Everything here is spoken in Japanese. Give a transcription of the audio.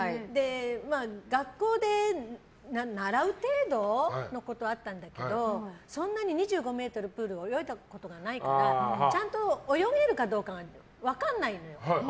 学校で習う程度のことはあったんだけどそんなに２５ｍプールを泳いだことないからちゃんと泳げるかどうか分からないんだよね。